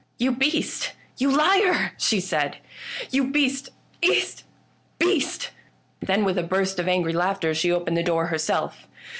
" You beast, you liar !" she said. " You beast ! beast! beast! " Then, with a burst of angry laughter, she opened the 'door herself.